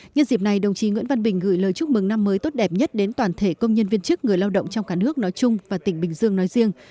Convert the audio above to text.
nhân dịp này đồng chí nguyễn văn bình gửi lời chúc mừng năm mới tốt đẹp nhất đến toàn thể công nhân viên chức người lao động trong cả nước nói chung và tỉnh bình dương nói riêng